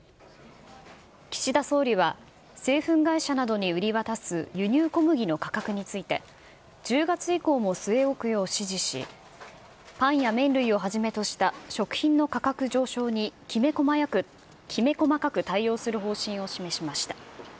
岸田総理は、製粉会社などに売り渡す輸入小麦の価格について、１０月以降も据え置くよう指示し、パンや麺類をはじめとした食品の価格上昇に、きめ細かく対応する方針を示しました。